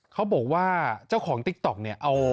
เขาบอกว่าเจ้าของติ๊กต๊อกเนี่ย